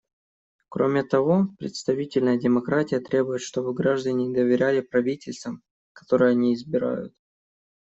Кроме того, представительная демократия требует, чтобы граждане доверяли правительствам, которые они избирают.